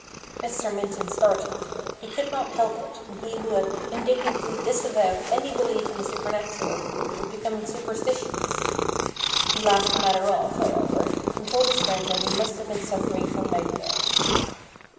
Mr. Minton started. He could not help it, and he who had indignantly disavowed any belief in the supernatural was becoming superstitious. He laughed the matter off, how ever, and told his friend that he must have been suffering from nightmare.